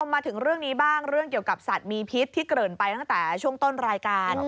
มาถึงเรื่องนี้บ้างเรื่องเกี่ยวกับสัตว์มีพิษที่เกริ่นไปตั้งแต่ช่วงต้นรายการ